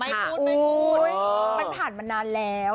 ไม่พูดมันผ่านมานานแล้ว